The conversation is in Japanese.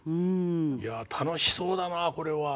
いや楽しそうだなこれは。